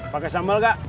pakai sambal gak